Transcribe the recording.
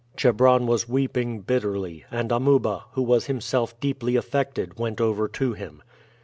Chebron was weeping bitterly, and Amuba, who was himself deeply affected, went over to him.